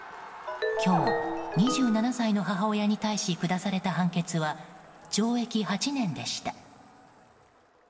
今日、２７歳の母親に対して下された判決は懲役８年でした。